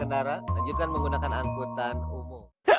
lanjutkan menggunakan angkutan umum